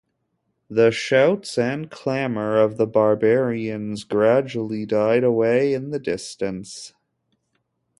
The shouts and clamor of the barbarians gradually died away in the distance.